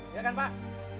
iya kan pak